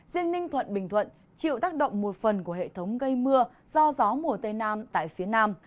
riêng ninh thuận bình thuận chịu tác động một phần của hệ thống gây mưa do gió mùa tây nam tại phía nam